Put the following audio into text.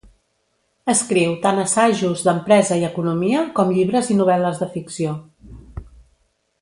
Escriu tant assajos d'empresa i economia com llibres i novel·les de ficció.